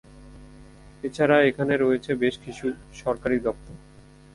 এছাড়া এখানে রয়েছে বেশকিছু সরকারি দপ্তর।